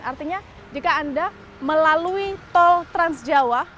artinya jika anda melalui tol transjawa